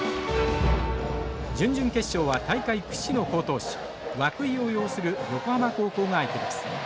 準々決勝は大会屈指の好投手涌井を擁する横浜高校が相手です。